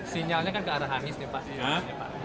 sinyalnya kan ke arah anies nih pak